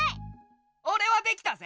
オレはできたぜ！